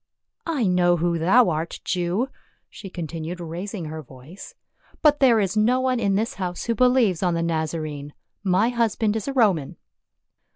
" I know who thou art, Jew," she continued raising her voice, " but there is no one in this house who believes on the Nazarene ; my husband is a Roman."